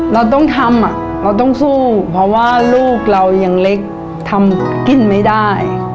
เราต้องทำเราต้องสู้เพราะว่าลูกเรายังเล็กทำกินไม่ได้